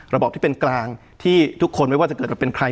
ระบอบที่เป็นกลางที่ทุกคนไม่ว่าจะเกิดกับเป็นใคร